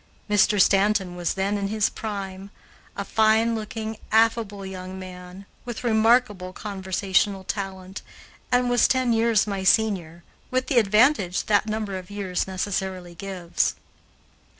Mr. Stanton was then in his prime, a fine looking, affable young man, with remarkable conversational talent, and was ten years my senior, with the advantage that number of years necessarily gives.